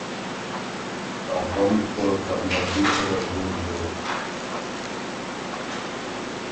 افه ن په کامیابي سره ګُل دوک